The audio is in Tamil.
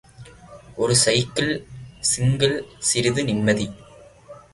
ஒரு சைக்கிள்... சிங்கிள்... சிறிது நிம்மதி.